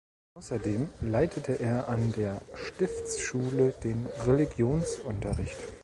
Außerdem leitete er an der Stiftsschule den Religionsunterricht.